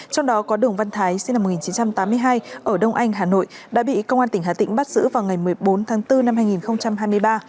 trong đó có đường văn thái sinh năm một nghìn chín trăm tám mươi hai ở đông anh hà nội đã bị công an tỉnh hà tĩnh bắt giữ vào ngày một mươi bốn tháng bốn năm hai nghìn hai mươi ba